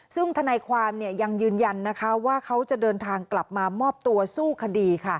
ซึ่งธนายความยังยืนยันนะคะว่าเขาจะเดินทางกลับมามอบตัวสู้คดีค่ะ